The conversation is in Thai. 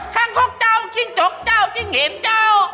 ทางคลกเจ้าจิ้งจกเจ้าจิ้งเหรียญเจ้า